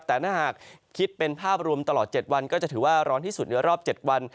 แต่ถ้าหากคิดเป็นภาพรวมตลอด๗วันก็จะถือว่าร้อนที่สุดในรอบ๗วัน